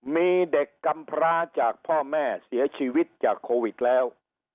มีเด็กกำพร้าจากพ่อแม่เสียชีวิตจากโควิดแล้ว